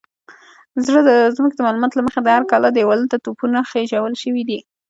زموږ د معلوماتو له مخې د هرې کلا دېوالونو ته توپونه خېژول شوي دي.